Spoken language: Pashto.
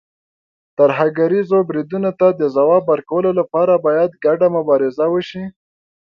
ترهګریزو بریدونو ته د ځواب ورکولو لپاره، باید ګډه مبارزه وشي.